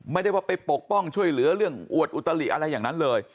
ไม่ได้ว่าไปปกป้องช่วยเหลือเรื่องอวดอุตลิอะไรอย่างนั้นเลย